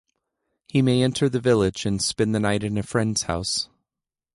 He may enter the village and spend the night in a friend's house.